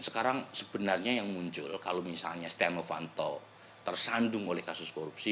sekarang sebenarnya yang muncul kalau misalnya setia novanto tersandung oleh kasus korupsi